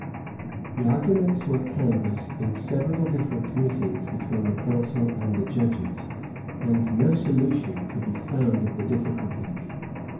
[*]* Fuller, book viii. p. 2. The arguments were canvassed in several different meetings between the council and the judges, and no solution could be found of the difficulties.